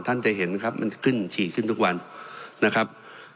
ท่านจะเห็นครับมันขึ้นฉี่ขึ้นทุกวันนะครับ